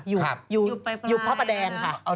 อยู่อยู่พ่อบรรแตรอครับ